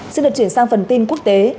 xin được chuyển sang phần tin quốc tế